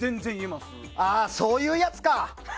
ああ、そういうやつか。